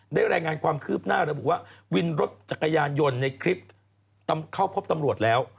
ได้รายงานความคืบหน้าระบุว่าวินรถจักรยานยนต์ในคลิปเข้าพบตำรวจแล้ว